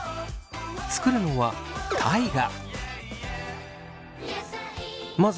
作るのは大我。